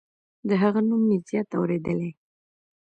د هغه نوم مې زیات اوریدلی